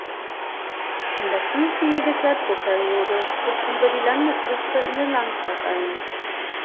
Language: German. In der fünften Legislaturperiode zog sie über die Landesliste in den Landtag ein.